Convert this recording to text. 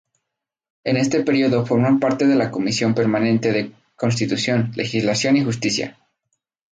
En este período formó parte de la comisión permanente de Constitución, Legislación y Justicia.